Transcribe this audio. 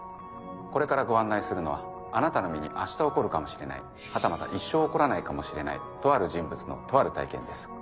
これからご案内するのはあなたの身にあした起こるかもしれないはたまた一生起こらないかもしれないとある人物のとある体験です。